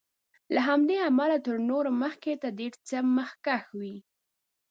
له همدې امله تر نورو مخکې د ډېر څه مخکښ وي.